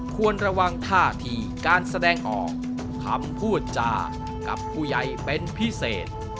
ควรระวังท่าทีการแสดงออกคำพูดจากับผู้ใหญ่เป็นพิเศษ